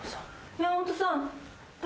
山本さん。